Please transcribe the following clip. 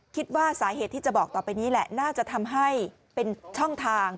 คิดว่าสาเหตุที่จะบอกต่อไปนี้แหละน่าจะทำให้เป็นช่องทาง